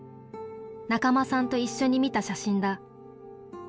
仲間さんと一緒に見た写真だ。